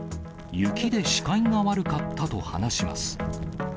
雪で視界が悪かったと話します。